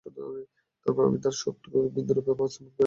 তারপর আমি তাকে শুক্র বিন্দুরূপে স্থাপন করি এক নিরাপদ আধারে।